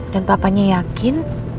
dan papanya yakin